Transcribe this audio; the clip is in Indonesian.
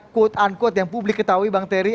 quote unquote yang publik ketahui bang terry